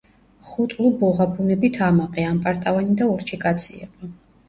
ხუტლუბუღა ბუნებით ამაყი, ამპარტავანი და ურჩი კაცი იყო.